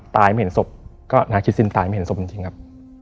ไม่เห็นศพก็น่าคิดสิ้นตายไม่เห็นศพจริงครับ